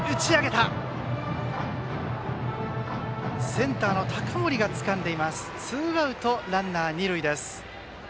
センターの高森がつかんでツーアウトランナー、二塁です。